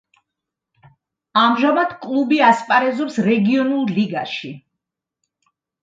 ამჟამად კლუბი ასპარეზობს რეგიონულ ლიგაში.